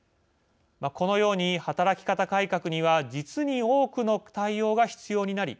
このように、働き方改革には実に多くの対応が必要になり